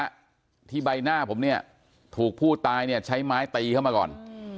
ที่ใบหน้าผมเนี่ยถูกผู้ตายเนี่ยใช้ไม้ตีเข้ามาก่อน